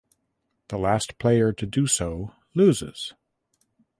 The last player to do so loses.